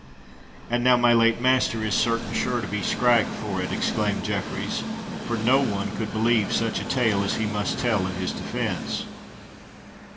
"And now my late master is certain sure to be scragged for it," exclaimed Jeffreys; "for no one could believe such a tale as he must tell in his defence.